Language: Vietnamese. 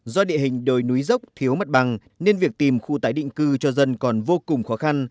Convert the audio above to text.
do địa hình đồi núi dốc thiếu mặt bằng nên việc tìm khu tái định cư cho dân còn vô cùng khó khăn